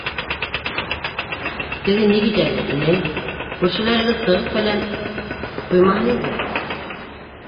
Теге ни бит әле, инәй, күршеләрегеҙ сағып-фәлән ҡуймаһын инде...